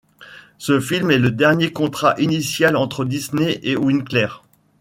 Ce film est le dernier du contrat initial entre Disney et Winkler.